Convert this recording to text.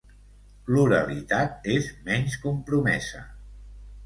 L'oralitat és menys compromesa.